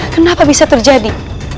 kenapa bisa terjadi